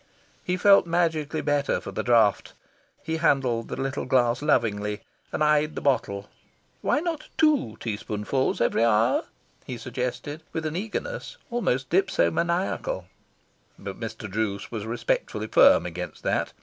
He felt magically better for the draught. He handled the little glass lovingly, and eyed the bottle. "Why not two teaspoonfuls every hour?" he suggested, with an eagerness almost dipsomaniacal. But Mr. Druce was respectfully firm against that.